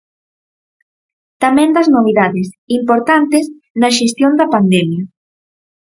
Tamén das novidades, importantes, na xestión da pandemia.